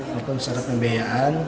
maupun secara pembayaan